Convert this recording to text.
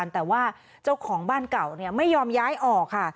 แต่เจ้าของบ้านไม่ยอมย้ายออก